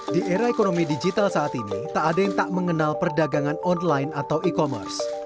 di era ekonomi digital saat ini tak ada yang tak mengenal perdagangan online atau e commerce